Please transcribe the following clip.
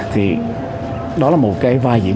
thì đó là một cái vai diễn